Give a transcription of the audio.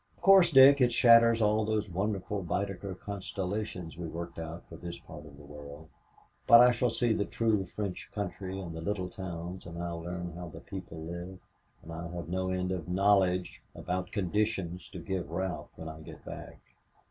Of course, Dick, it shatters all those wonderful Baedeker constellations we worked out for this part of the world, but I shall see the true French country and the little towns and I'll learn how the people live and I'll have no end of knowledge about 'conditions' to give Ralph when I get back."